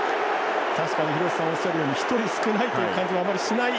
確かに廣瀬さんおっしゃるように１人少ないという感じはあまりしない